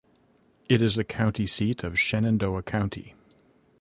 It is the county seat of Shenandoah County.